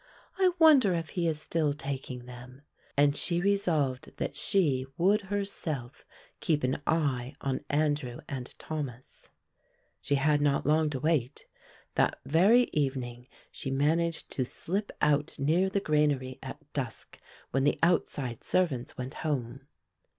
"I wonder if he is still taking them," and she resolved that she would herself keep an eye on Andrew and Thomas. She had not long to wait. That very evening she managed to slip out near the granary at dusk when the outside servants went home.